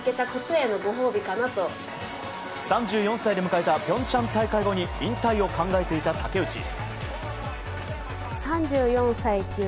３４歳で迎えた平昌大会後に引退を考えていた竹内。